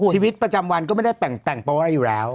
ชีวิตประจำวันก็ไม่ได้แต่งโป๊อะไรอยู่แล้ว